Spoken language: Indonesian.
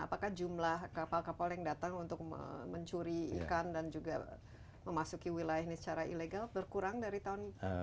apakah jumlah kapal kapal yang datang untuk mencuri ikan dan juga memasuki wilayah ini secara ilegal berkurang dari tahun lalu